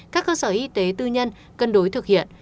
các cơ sở y tế tư nhân cân đối thực hiện